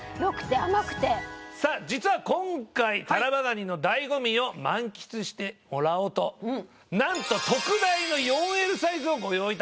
さあ実は今回タラバガニの醍醐味を満喫してもらおうと何と特大の４Ｌサイズをご用意いたしました！